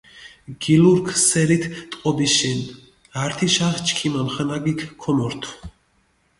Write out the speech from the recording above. გილურქ სერით ტყობიშენ, ართიშახ ჩქიმ ამხანაგიქ ქომორთ.